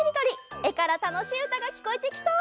えからたのしいうたがきこえてきそう！